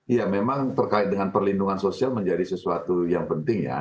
ya memang terkait dengan perlindungan sosial menjadi sesuatu yang penting ya